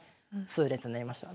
痛烈になりました。